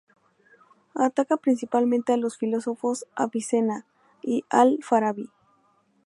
Ataca principalmente a los filósofos Avicena y Al-Farabi.